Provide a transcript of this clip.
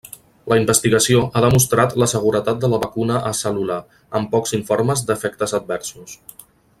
La investigació ha demostrat la seguretat de la vacuna acel·lular, amb pocs informes d'efectes adversos.